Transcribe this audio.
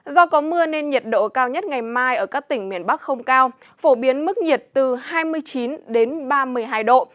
do có mưa nên nhiệt độ cao nhất ngày mai ở các tỉnh miền bắc không cao phổ biến mức nhiệt từ hai mươi chín đến ba mươi hai độ